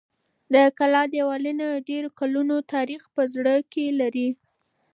د کلا دېوالونه د ډېرو کلونو تاریخ په زړه کې لري.